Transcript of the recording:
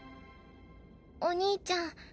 お兄ちゃん